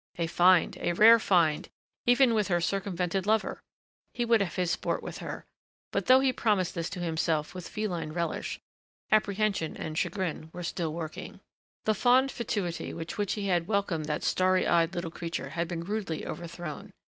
A find a rare find even with her circumvented lover! He would have his sport with her.... But though he promised this to himself with feline relish, apprehension and chagrin were still working. The fond fatuity with which he had welcomed that starry eyed little creature had been rudely overthrown.